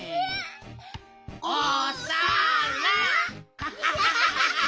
おさら！